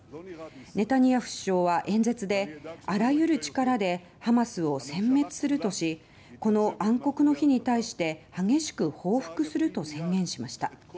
ネタニヤフ首相は演説であらゆる力でハマスを殲滅するとしこの暗黒の日に対して激しく報復すると宣言しました。